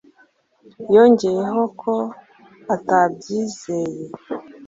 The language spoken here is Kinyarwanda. yongeyeho ko atabyizeye